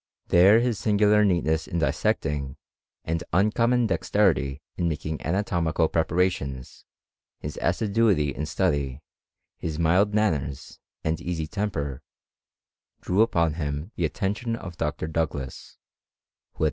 There his singular neatness in dissecting, and uncommon dexterity in making anatomical preparations, his assi duity in study, his mild manners, and easy temper, drew upon him the attention of Dr. Douglas, who at VOL.